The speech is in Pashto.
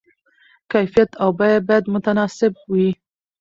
کیفیت او بیه باید متناسب وي.